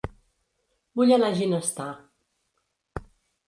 Vull anar a Ginestar